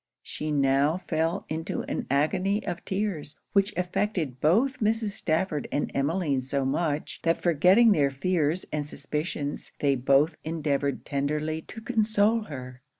She now fell into an agony of tears; which affected both Mrs. Stafford and Emmeline so much, that forgetting their fears and suspicions, they both endeavoured tenderly to console her.